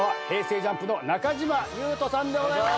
ＪＵＭＰの中島裕翔さんでございます。